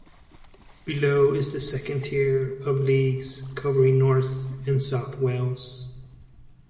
Below it is the second tier of leagues, covering north and south Wales.